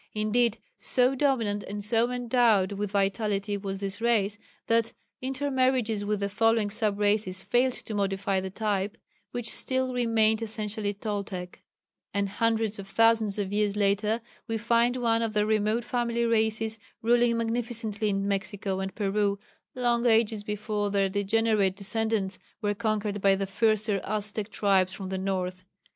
Indeed so dominant and so endowed with vitality was this race that intermarriages with the following sub races failed to modify the type, which still remained essentially Toltec; and hundreds of thousands of years later we find one of their remote family races ruling magnificently in Mexico and Peru, long ages before their degenerate descendants were conquered by the fiercer Aztec tribes from the north.